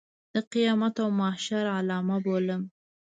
د قیامت او محشر علامه بولم.